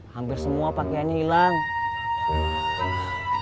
hampir semua pakaiannya hilang